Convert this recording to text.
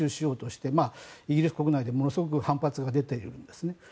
してイギリス国内でものすごく反発が出ているんですね。